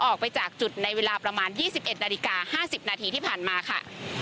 ออกไปจากจุดในเวลาประมาณ๒๑นาฬิกา๕๐นาทีที่ผ่านมาค่ะ